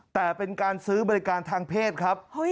แต่เป็นการซื้อบริการทางเพศครับ